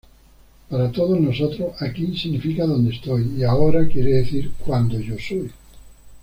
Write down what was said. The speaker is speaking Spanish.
Para todos nosotros, "aquí" significa "donde estoy" y "ahora" quiere decir "cuando yo soy".